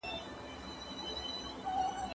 حقه خبره باید تل وویل سي.